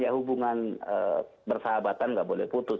ya hubungan persahabatan nggak boleh putus